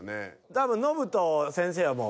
多分ノブと先生はもう。